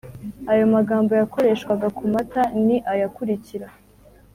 ayomagambo yakoreshwaga kumata ni aya akurikira